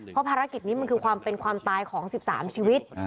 เพราะภารกิจนี้มันคือความเป็นความตายของ๑๓ชีวิต